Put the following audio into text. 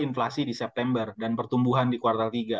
inflasi di september dan pertumbuhan di kuartal tiga